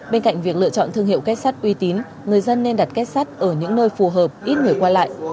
bên cạnh việc lựa chọn thương hiệu kết sắt uy tín người dân nên đặt kết sắt ở những nơi phù hợp ít người qua lại